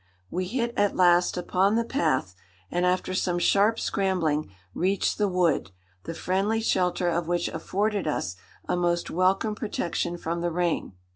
We hit at last upon the path, and after some sharp scrambling reached the wood, the friendly shelter of which afforded us a most welcome protection from the rain.